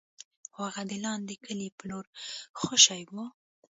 خو هغه د لاندې کلي په لور خوشې و.